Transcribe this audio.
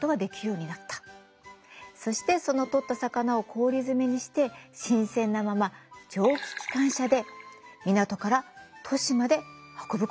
そしてその取った魚を氷詰めにして新鮮なまま蒸気機関車で港から都市まで運ぶことができるようになった。